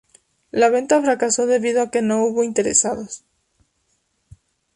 La venta fracasó debido a que no hubo interesados.